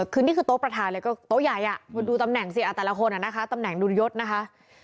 คือนี่คือโต๊ะประธานเลยก็โต๊ะใหญ่คุณดูตำแหน่งสิแต่ละคนนะคะตำแหน่งดุลยศนะคะ